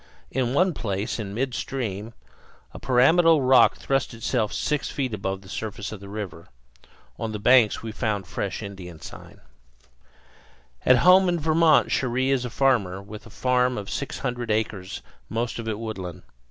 In one place, in midstream, a pyramidal rock thrust itself six feet above the surface of the river. On the banks we found fresh Indian sign. At home in Vermont Cherrie is a farmer, with a farm of six hundred acres, most of it woodland.